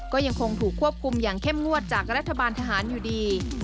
ก็ยังคงถูกควบคุมอย่างเข้มงวดจากรัฐบาลทหารอยู่ดี